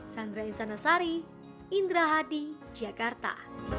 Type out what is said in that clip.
sandra insanasari indra hadi jakarta